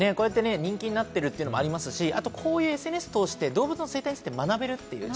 人気になってるっていうのもありますし、こういうＳＮＳを通して動物の生態系を学べる。